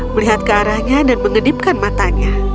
melihat ke arahnya dan mengedipkan matanya